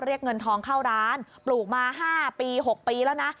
เรียกเงินทองเข้าร้านปลูกมา๕ปี๖ปีแล้วนะ